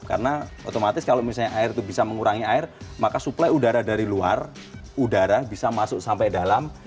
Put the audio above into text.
karena otomatis kalau misalnya air itu bisa mengurangi air maka suplai udara dari luar udara bisa masuk sampai dalam